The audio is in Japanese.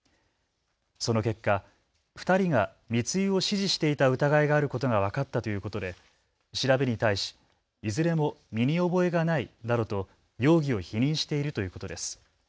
その結果、２人が密輸を指示していた疑いがあることが分かったということで調べに対しいずれも身に覚えがないなどと容疑を否認しているということです。